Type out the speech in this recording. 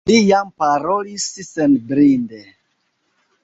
Li jam parolis senbride.